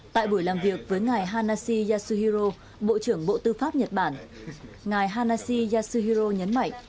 tại buổi làm việc với ngài hanashi yasuhiro bộ trưởng bộ tư pháp nhật bản ngài hanashi yasuhiro nhấn mạnh